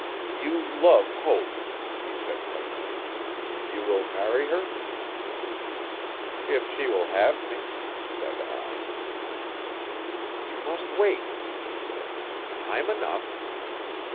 'You love. Hope,' he said presently. 'You will marry her? 'If she will have me,' said I. 'You must wait,' he said, 'time enough!